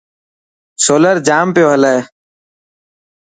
سولر جام پيو هلي.